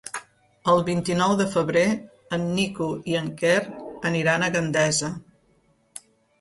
El vint-i-nou de febrer en Nico i en Quer aniran a Gandesa.